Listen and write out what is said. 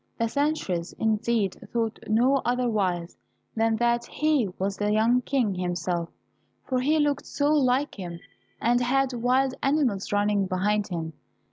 The sentries, indeed, thought no otherwise than that he was the young King himself, for he looked so like him, and had wild animals running behind him.